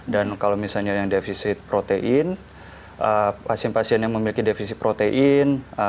dan kalau misalnya yang defisit protein pasien pasien yang memiliki defisit protein